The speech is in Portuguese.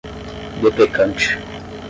deprecante